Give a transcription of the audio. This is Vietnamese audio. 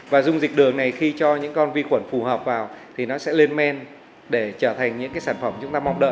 và dung dịch đường này khi cho những con vi khuẩn phù hợp vào thì nó sẽ lên men để trở thành những cái sản phẩm chúng ta mong đợi